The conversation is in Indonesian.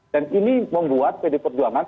dan ini membuat pdi perjuangan